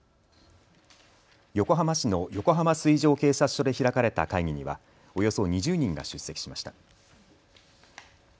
横浜市の横浜水上警察署で開かれた会議にはおよそ２０人が出席しました。